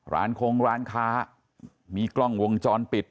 คงร้านค้ามีกล้องวงจรปิด